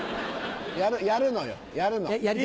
やるのよやるの。